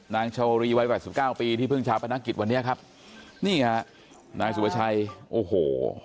นางชาวรีวัยวาย๑๙ปีที่เพิ่งชาวพนักศพวันนี้ครับนี่ฮะนายสุประชายโอ้โห